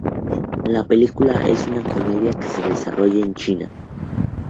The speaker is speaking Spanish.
La película es una comedia que se desarrolla en China.